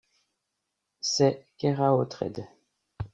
C'est Keraotred.